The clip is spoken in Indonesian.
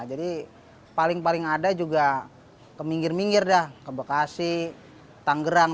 jadi paling paling ada juga keminggir minggir dah ke bekasi tanggerang